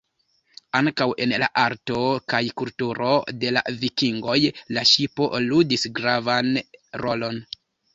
Ankaŭ en la arto kaj kulturo de la Vikingoj la ŝipo ludis gravan rolon.